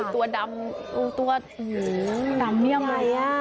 ตัวดำตัวดำเงียบเลยค่ะโอ้โฮดำเงียบเลยค่ะ